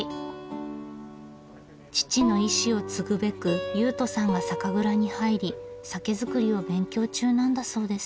父の遺志を継ぐべく雄翔さんが酒蔵に入り酒造りを勉強中なんだそうです。